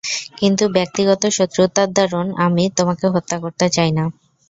কিন্তু ব্যক্তিগত শত্রুতার দরুণ আমি তোমাকে হত্যা করতে চাই না।